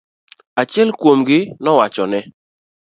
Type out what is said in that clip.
Achiel kuomgi nowachone.